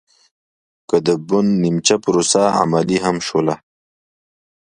که د بن نیمچه پروسه عملي هم شوله